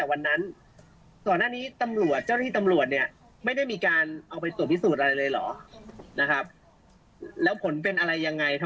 ผ่านมาแล้ว๑ปี